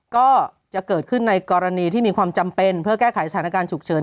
ก็จะเกิดขึ้นในกรณีที่มีความจำเป็นเพื่อแก้ไขสถานการณ์ฉุกเฉิน